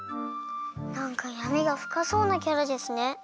なんかやみがふかそうなキャラですね。